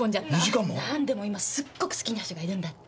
何でも今すっごく好きな人がいるんだって。